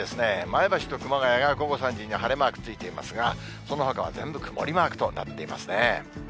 前橋と熊谷が午後３時に晴れマークついていますが、そのほかは全部曇りマークとなっていますね。